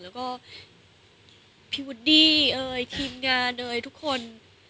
แล้วก็พี่วุดดี้เอ่ยทีมงานเอ่ยทุกคน